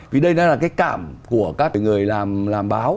vì đây nó là cái cảm của các người làm báo